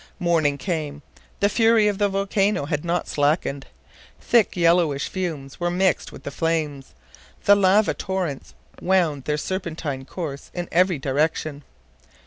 Morning came. The fury of the volcano had not slackened. Thick yellowish fumes were mixed with the flames; the lava torrents wound their serpentine course in every direction.